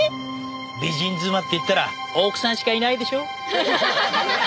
美人妻って言ったら奥さんしかいないでしょ？